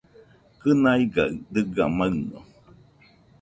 Kɨnaigaɨ dɨga maɨno.